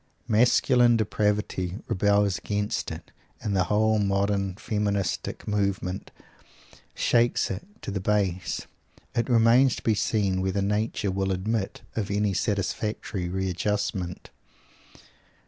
Masculine depravity rebels against it, and the whole modern feministic movement shakes it to the base. It remains to be seen whether Nature will admit of any satisfactory readjustment.